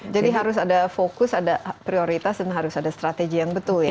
jadi harus ada fokus ada prioritas dan harus ada strategi yang betul ya